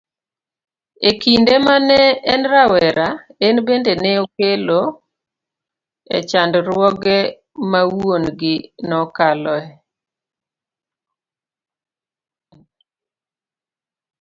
Ekinde mane enrawera, enbende ne okalo echandruoge mawuon-gi nekaloe.